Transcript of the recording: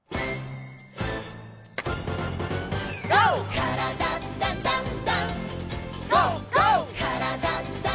「からだダンダンダン」